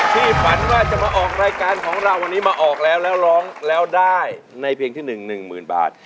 พี่ฝันว่าจะมาออกรายการของเราวันนี้มาออกแล้วแล้วร้องแล้วได้ในเพลงที่หนึ่งหนึ่งหมื่นบาท